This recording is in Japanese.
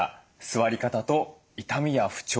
座り方と痛みや不調